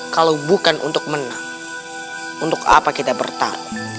kalau bukan untuk menang untuk apa kita bertahan